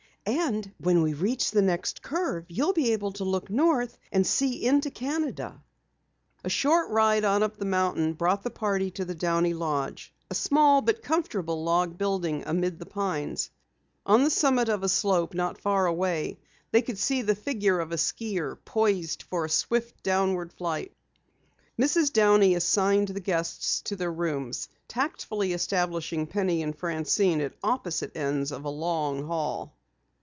And when we reach the next curve you'll be able to look north and see into Canada." A short ride on up the mountain brought the party to the Downey Lodge, a small but comfortable log building amid the pines. On the summit of a slope not far away they could see the figure of a skier, poised for a swift, downward flight. Mrs. Downey assigned the guests to their rooms, tactfully establishing Penny and Francine at opposite ends of a long hall.